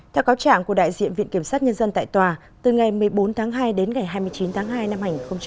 theo cáo trạng của đại diện viện kiểm sát nhân dân tại tòa từ ngày một mươi bốn tháng hai đến ngày hai mươi chín tháng hai năm hai nghìn hai mươi